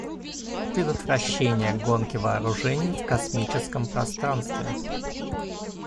Предотвращение гонки вооружений в космическом пространстве.